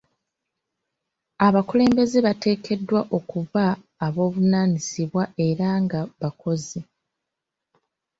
Abakulembeze bateekeddwa okuba ab'obuvunaanyizibwa era nga bakozi.